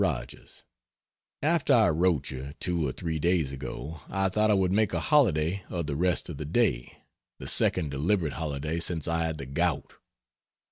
ROGERS, After I wrote you, two or three days ago I thought I would make a holiday of the rest of the day the second deliberate holiday since I had the gout.